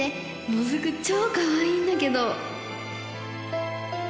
もずく超かわいいんだけど！」